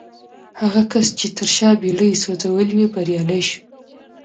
هغه کس چې تر شا بېړۍ يې سوځولې وې بريالی شو.